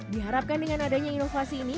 diharapkan dengan adanya inovasi ini